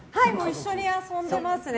一緒に遊んでますね。